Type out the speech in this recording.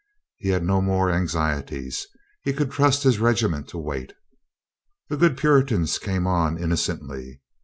He had no more anxie ties. He could trust his regiment to wait. The good Puritans came on innocently.